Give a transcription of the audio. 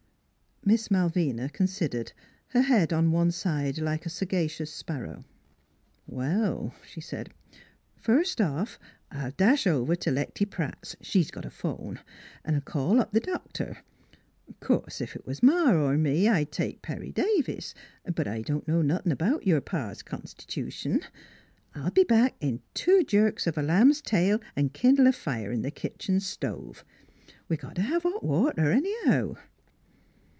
Miss Malvina considered, her head on one side like a sagacious sparrow. " Well," she said, " first off, I'll dash over t' Lecty Pratt's she's got a phone an' call up th' doctor. Course ef 't was Ma, er me, I'd take Perry Davis; but I don't know nothin' 'bout your pa's constitution. ... I'll be back in two jerks of a 46 NEIGHBORS lamb's tail an' kindle a fire in th' kitchen stove. We got t' hev hot water, anyhow."